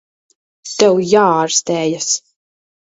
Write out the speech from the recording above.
Tev jāārstējas.